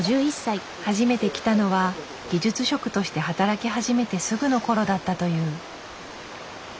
初めて来たのは技術職として働き初めてすぐのころだったという。